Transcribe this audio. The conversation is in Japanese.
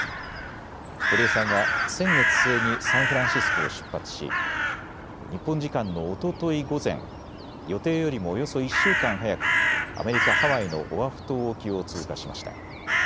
堀江さんは先月末にサンフランシスコを出発し日本時間のおととい午前、予定よりもおよそ１週間早くアメリカ・ハワイのオアフ島沖を通過しました。